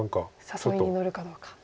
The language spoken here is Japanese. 誘いに乗るかどうか。